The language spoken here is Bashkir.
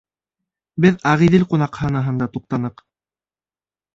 Беҙ «Ағиҙел» ҡунаҡханаһында туҡтаныҡ.